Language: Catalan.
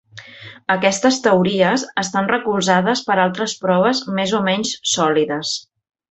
Aquestes teories estan recolzades per altres proves més o menys sòlides.